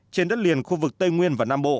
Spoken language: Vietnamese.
trên đất liền khu vực tây nguyên và nam bộ